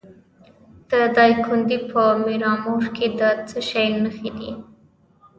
د دایکنډي په میرامور کې د څه شي نښې دي؟